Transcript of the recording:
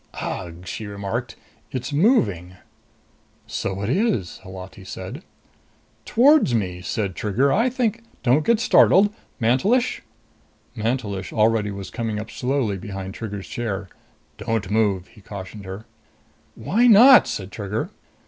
"Ugh!" she remarked. "It's moving!" "So it is," Holati said. "Towards me!" said Trigger. "I think " "Don't get startled. Mantelish!" Mantelish already was coming up slowly behind Trigger's chair. "Don't move!" he cautioned her. "Why not?" said Trigger.